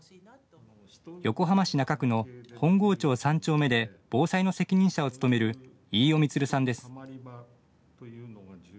横浜市中区の本郷町３丁目で防災の責任者を務める飯尾満さんです。